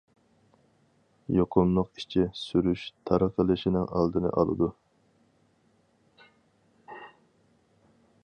يۇقۇملۇق ئىچى سۈرۈش تارقىلىشىنىڭ ئالدىنى ئالىدۇ.